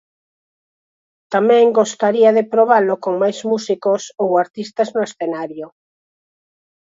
Tamén gostaría de probalo con máis músicos ou artistas no escenario.